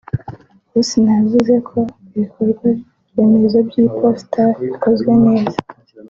Hussein yavuze ko ibikorwa remezo by’iposita bikozwe neza